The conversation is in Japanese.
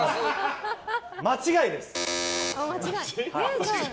間違いです！